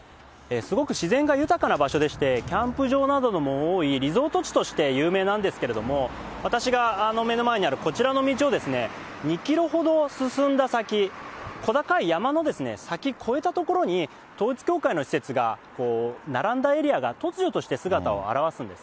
すごく自然が豊かな場所でして、キャンプ場なども多いリゾート地として有名なんですけれども、私が目の前にあるこちらの道を２キロほど進んだ先、小高い山の先越えた所に、統一教会の施設が並んだエリアが、突如として姿を現すんです。